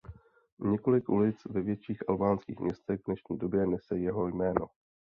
Několik ulic ve větších albánských městech v dnešní době nese jeho jméno.